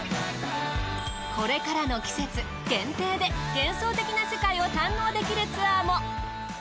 これからの季節限定で幻想的な世界を堪能できるツアーも。